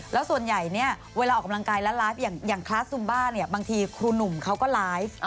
แล้วส่วนใหญ่เนี่ยเวลาออกกำลังกายและไลฟ์อย่างคลาสซุมบ้าเนี่ยบางทีครูหนุ่มเขาก็ไลฟ์